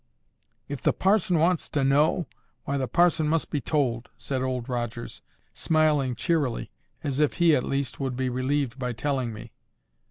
"If the parson wants to know, why, the parson must be told," said Old Rogers, smiling cheerily, as if he, at least, would be relieved by telling me.